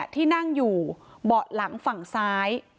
ที่นั่งอยู่เบาะหลังฝั่งซ้าย